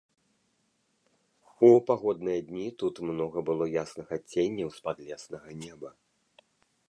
У пагодныя дні тут многа было ясных адценняў з падлеснага неба.